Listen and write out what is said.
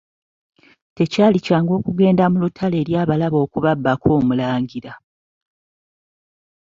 Tekyali kyangu okugenda mu lutalo eri abalabe okubabbako abalangira.